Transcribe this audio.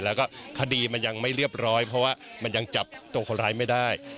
แล้วก็คดีมันยังไม่เรียบร้อยเพราะว่ามันยังจับตัวคนร้ายไม่ได้